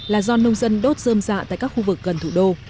là do nông dân đốt dơm dạ tại các khu vực gần thủ đô